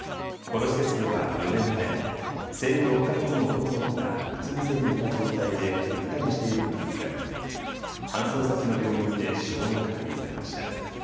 この施設では４年前、生後６か月の男の子がうつ伏せに寝た状態でぐったりしているのが見つかり搬送先の病院で死亡が確認されました。